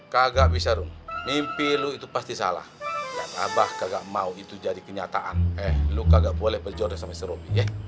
kagak bisa rum mimpi lu itu pasti salah dan abah kagak mau itu jadi kenyataan eh lu kagak boleh berjodoh sama si robi ya